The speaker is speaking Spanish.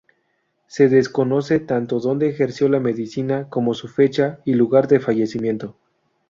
Se desconoce tanto dónde ejerció la medicina como su fecha y lugar de fallecimiento.